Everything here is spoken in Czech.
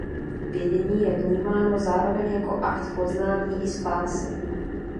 Vědění je vnímáno zároveň jako akt poznání i spásy.